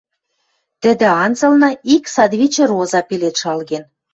Тӹдӹ анзылны ик садвичӹ роза пелед шалген.